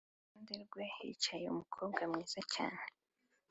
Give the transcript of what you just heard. Iruhande rwe hicaye umukobwa mwiza cyane